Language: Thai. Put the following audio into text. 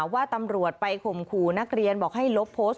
ว่าตำรวจไปข่มขู่นักเรียนบอกให้ลบโพสต์